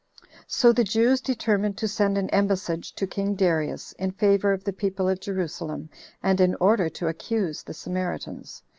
So the Jews determined to send an embassage to king Darius, in favor of the people of Jerusalem, and in order to accuse the Samaritans.